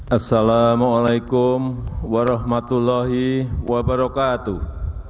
assalamu alaikum warahmatullahi wabarakatuh